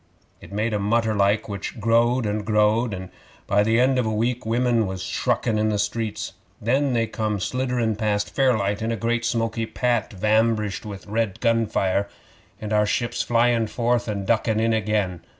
It made a mutter like, which growed and growed, and by the end of a week women was shruckin' in the streets. Then they come slidderin' past Fairlight in a great smoky pat vambrished with red gun fire, and our ships flyin' forth and duckin' in again.